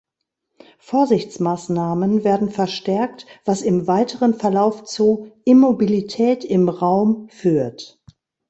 Vorsichtsmaßnahmen werden verstärkt, was im weiteren Verlauf zu "Immobilität im Raum" führt.